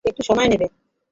একটু সময় নেবে।